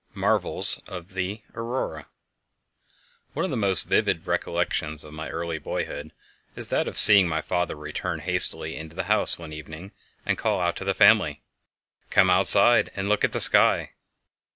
IX Marvels of the Aurora One of the most vivid recollections of my early boyhood is that of seeing my father return hastily into the house one evening and call out to the family: "Come outside and look at the sky!"